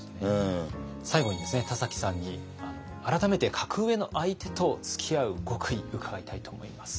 最後にですね田崎さんに改めて格上の相手とつきあう極意伺いたいと思います。